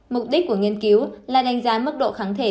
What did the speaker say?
mục đích của nghiên cứu là đánh giá mức độ kháng thể